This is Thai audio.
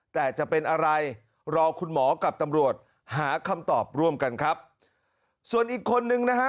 แต่จะเป็นอะไรรอคุณหมอกับตำรวจหาคำตอบร่วมกันครับส่วนอีกคนนึงนะฮะ